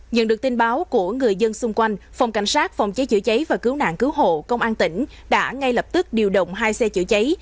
nhận được tin báo của người dân xung quanh phòng cảnh sát phòng cháy chữa cháy và cứu nạn cứu hộ công an tỉnh đã ngay lập tức điều động hai xe chữa cháy